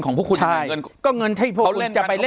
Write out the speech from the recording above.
ปากกับภาคภูมิ